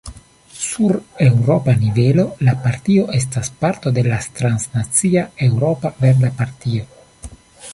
Sur eŭropa nivelo, la partio estas parto de la transnacia Eŭropa Verda Partio.